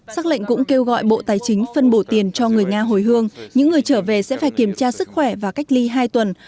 xác lệnh cũng kêu gọi bộ tài chính phân bổ tiền cho người nga hồi hương những người trở về sẽ phải kiểm tra sức khỏe và cách ly hai tuần